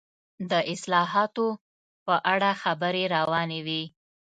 د اصلاحاتو په اړه خبرې روانې وې.